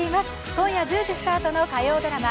今夜１０時スタートの火曜ドラマ